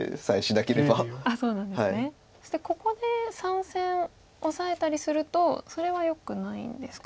そしてここで３線オサえたりするとそれはよくないんですか。